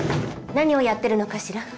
何をやってるのかしら？